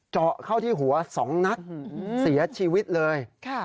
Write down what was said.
เจาะเข้าที่หัว๒นัดเสียชีวิตเลย